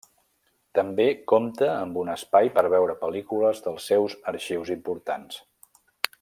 També compta amb un espai per veure pel·lícules dels seus arxius importants.